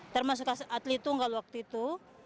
termasuk atlet tunggal waktu itu